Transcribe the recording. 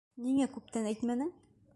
Ниңә күптән әйтмәнең?